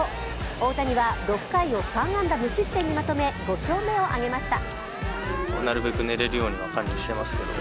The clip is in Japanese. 大谷は６回を３安打無失点にまとめ５勝目を挙げました。